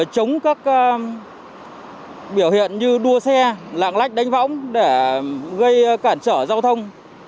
chống các biểu hiện như đua xe lạng lách đánh võng để gây cản trở giao thông